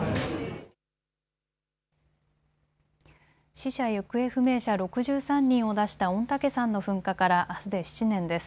死者、行方不明者６３人を出した御嶽山の噴火からあすで７年です。